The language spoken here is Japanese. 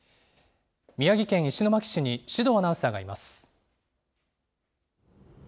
宮城県石巻市に、首藤アナウンサーがいます。